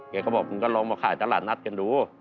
แกก็บอกมึงก็ลองมาขายตลาดนัดกันดู